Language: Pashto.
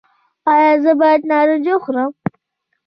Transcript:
ایا زه باید نارنج وخورم؟